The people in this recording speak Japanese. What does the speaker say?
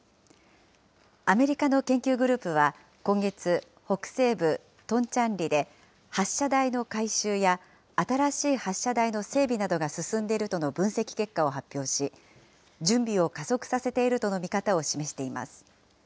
アメリカの研究グループは今月、北西部トンチャンリで、発射台の改修や新しい発射台の整備などが進んでいるとの分析結果を発表し、準備を加速させているとの見方を示しています。